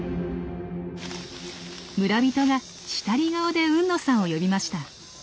村人がしたり顔で海野さんを呼びました。